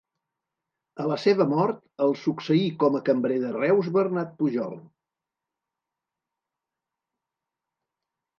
A la seva mort el succeí com a cambrer de Reus Bernat Pujol.